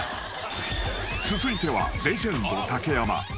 ［続いてはレジェンド竹山］